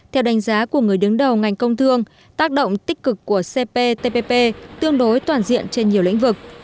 theo đánh giá của người đứng đầu ngành công thương tác động tích cực của cptpp tương đối toàn diện trên nhiều lĩnh vực